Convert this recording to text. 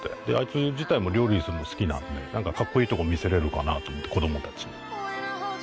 であいつ自体も料理するの好きなんで何かカッコいいとこ見せれるかなと思って子供たちに。